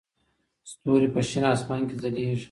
ستوري په شین اسمان کې ځلېږي.